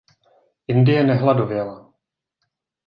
Indie nehladověla.